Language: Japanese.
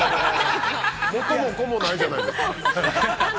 ◆元も子もないじゃないですか。